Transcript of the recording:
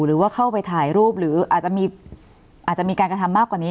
หรือว่าเข้าไปถ่ายรูปหรืออาจจะมีการกระทำมากกว่านี้